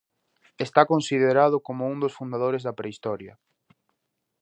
Está considerado como un dos fundadores da Prehistoria.